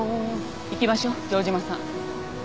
行きましょう城島さん。